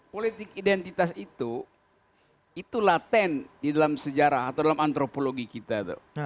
politik identitas itu itu laten di dalam sejarah atau dalam antropologi kita